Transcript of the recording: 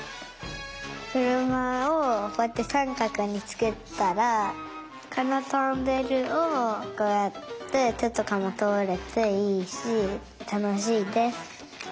くるまをこうやってさんかくにつくったらこのトンネルをこうやっててとかもとおれていいしたのしいです！